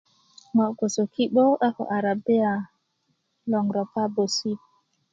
ŋo gboso ki'boo a ko arabia loŋ ropa bösit